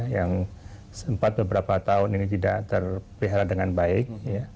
yang sempat beberapa tahun ini tidak terpelihara dengan baik